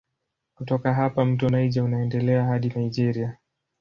Kutoka hapa mto Niger unaendelea hadi Nigeria.